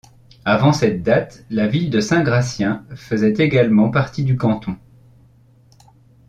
Avant cette date, la ville de Saint-Gratien faisait également partie du canton.